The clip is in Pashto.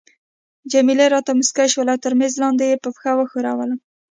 جميله راته مسکی شول او تر میز لاندي يې په پښه وښورولم.